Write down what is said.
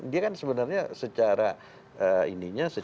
dia kan sebenarnya secara ininya